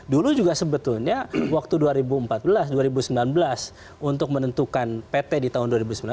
dulu juga sebetulnya waktu dua ribu empat belas dua ribu sembilan belas untuk menentukan pt di tahun dua ribu sembilan belas